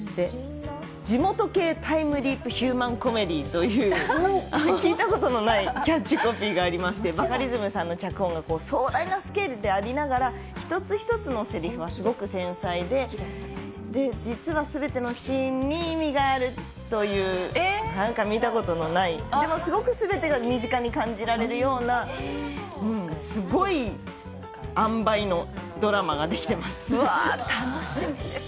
地元系タイムリープヒューマンコメディーという聞いたことのないキャッチコピーがありまして、バカリズムさんの脚本が壮大なスケールでありながら、一つ一つのせりふはすごく繊細で、実はすべてのシーンに意味があるという、なんか見たことのない、でもすごくすべてが身近に感じられるような、すっごいあんばいのうわー、楽しみですね。